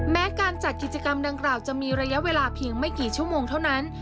แม้การจัดกิจกรรมดังกล่าวจะมีระยะเวลาเพียงไม่กี่ชั่วโมงเท่านั้น